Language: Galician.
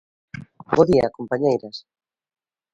Bo día, compañeiras.